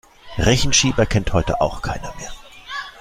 Rechenschieber kennt heute auch keiner mehr.